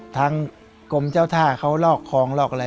ทางกมเจ้าท่าเค้าลอกของอะไร